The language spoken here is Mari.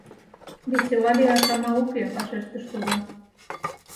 — Весела лияш амал уке, — вашештыш тудо.